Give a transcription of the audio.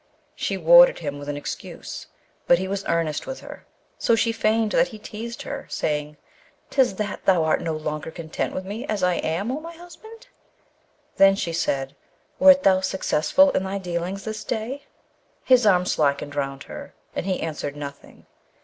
She warded him with an excuse, but he was earnest with her. So she feigned that he teased her, saying, ''Tis that thou art no longer content with me as I am, O my husband!' Then she said, 'Wert thou successful in thy dealings this day?' His arm slackened round her, and he answered nothing.